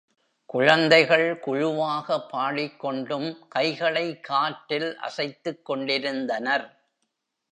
குழந்தைகள் குழுவாக பாடிக்கொண்டும் கைகளை காற்றில் அசைத்துக்கொண்டிருந்தனர்.